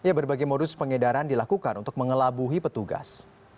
ya berbagai modus pengedaran dilakukan untuk mengelabuhi petugas